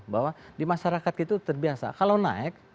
bahwa di masyarakat itu terbiasa kalau naik